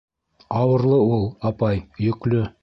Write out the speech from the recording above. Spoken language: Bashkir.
Ауырлы ул, апай, йөклө...